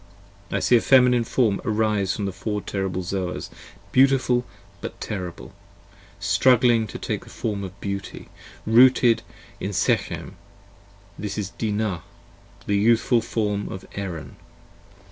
I see a Feminine Form arise from the Four terrible Zoas, Beautiful but terrible, struggling to take a form of beauty, Rooted in Shechem: this is Dinah, the youthful form of Erin.